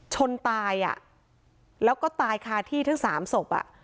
ชนตายอ่ะแล้วก็ตายคาที่ทั้งสามศพ